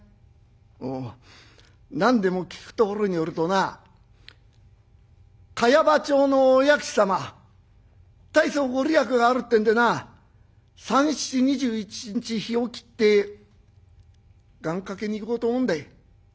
「おお何でも聞くところによるとな茅場町のお薬師様大層御利益があるってんでな三七二十一日日を切って願かけに行こうと思うんだよ」。